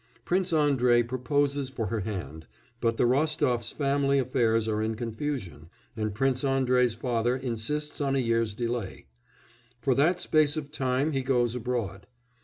Prince Andrei proposes for her hand, but the Rostofs' family affairs are in confusion, and Prince Andrei's father insists on a year's delay; for that space of time he goes abroad.